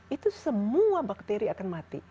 itu semua bakteri akan mati